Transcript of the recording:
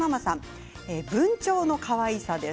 文鳥のかわいさです。